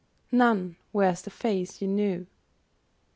None wears the face you knew.